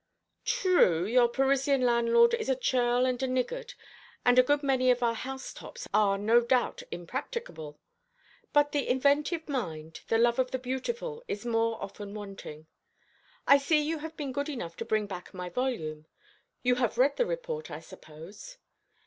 "True, your Parisian landlord is a churl and a niggard, and a good many of our housetops are no doubt impracticable. But the inventive mind, the love of the beautiful, is more often wanting. I see you have been good enough to bring back my volume. You have read the report, I suppose?"